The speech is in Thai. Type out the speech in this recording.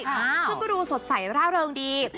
ซึ่งก็ดูสดใสร่าเริงดี